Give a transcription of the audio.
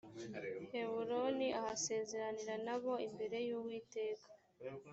heburoni ahasezeranira na bo imbere y uwiteka